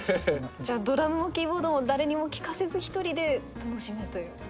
じゃあドラムもキーボードも誰にも聴かせず１人で楽しむという。